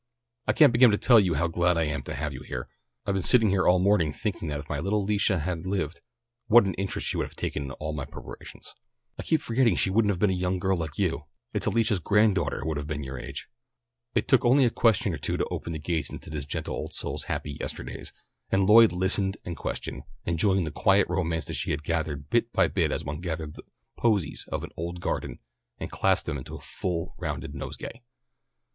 I can't begin to tell you how glad I am to have you here. I've been sitting here all morning thinking that if my little Alicia had lived what an interest she would have taken in all my preparations. I keep forgetting that she wouldn't be a young girl like you. It's Alicia's granddaughter who would have been your age." It took only a question or two to open the gates into this gentle old soul's happy yesterdays, and Lloyd listened and questioned, enjoying the quiet romance that she gathered bit by bit as one gathers the posies of an old garden and clasps them into a full rounded nosegay.